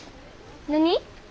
何？